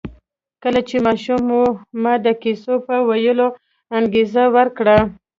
کله چې ماشوم و ما د کیسو په ویلو انګېزه ورکړه